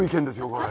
これ。